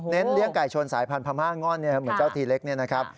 เน้นเลี้ยงไก่ชนสายพันธุ์พรรมห้าง่อนเหมือนเจ้าทีเล็กนี่นะครับ